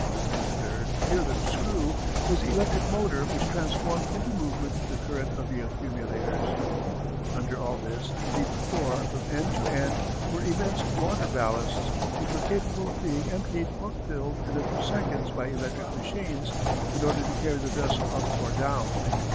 In the third, near the screw, was the electric motor which transformed into movement the current of the accumulators. Under all this, beneath the floor, from end to end, were immense water ballasts, which were capable of being emptied or filled in a few seconds by electric machines, in order to carry the vessel up or down.